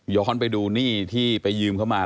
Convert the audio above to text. ไปดูหนี้ที่ไปยืมเข้ามา